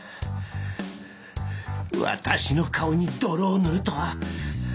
私の顔に泥を塗るとは。